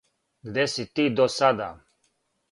Где си ти до сада?